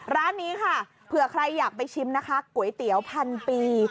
ร้านนี้ค่ะเผื่อใครอยากไปชิมนะคะก๋วยเตี๋ยวพันปี